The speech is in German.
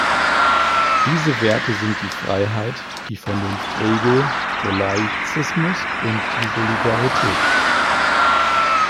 Diese Werte sind die Freiheit, die Vernunftregel, der Laizismus und die Solidarität.